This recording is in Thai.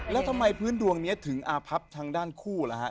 แล้วทำไมพื้นดวงนี้ถึงอาพับทางด้านคู่ล่ะฮะ